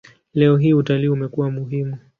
Leo hii utalii umekuwa muhimu.